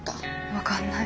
分かんない。